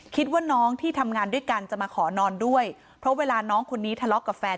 คิดว่าน้องที่ทำงานด้วยกันจะมาขอนอนด้วยเพราะเวลาน้องคนนี้ทะเลาะกับแฟน